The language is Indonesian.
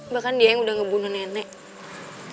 bahkan dia yang udah ngebunuh nenek